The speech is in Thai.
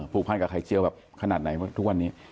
พันกับไข่เจียวแบบขนาดไหนทุกวันนี้